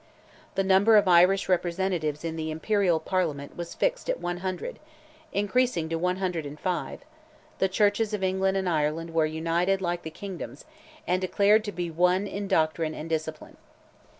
The number of Irish representatives in the Imperial Parliament was fixed at one hundred (increased to one hundred and five); the churches of England and Ireland were united like the kingdoms, and declared to be one in doctrine and discipline.